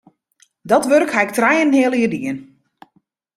Dat wurk haw ik trije en in heal jier dien.